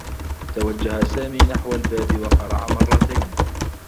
توجّه سامي نحو الباب و قرع مرّتين.